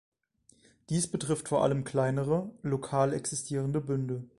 Dies betrifft vor allem kleinere, lokal existierende Bünde.